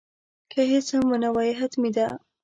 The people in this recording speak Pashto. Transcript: که هیڅ هم ونه وایې حتمي ده.